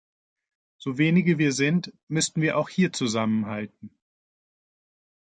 So wenige wir sind, müssten wir auch hier zusammenhalten.